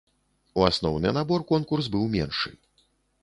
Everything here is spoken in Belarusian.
У асноўны набор конкурс быў меншы.